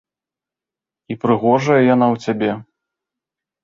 І прыгожая яна ў цябе.